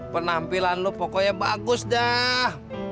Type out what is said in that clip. penampilan lo pokoknya bagus dah